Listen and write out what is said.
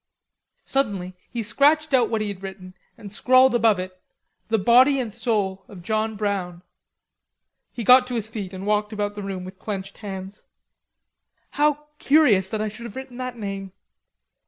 Suddenly he scratched out what he had written and scrawled above it: "The Body and Soul of John Brown." He got to his feet and walked about the room with clenched hands. "How curious that I should have written that name.